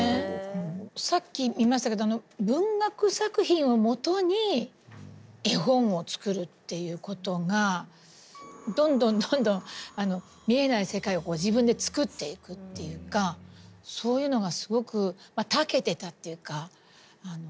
さっき見ましたけど文学作品をもとに絵本を作るっていうことがどんどんどんどんあの見えない世界を自分で作っていくっていうかそういうのがすごく長けてたっていうかお好きだったのかなって。